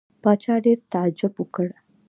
پاچا ډېر تعجب وکړ.